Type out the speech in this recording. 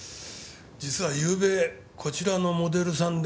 実は昨夜こちらのモデルさんで。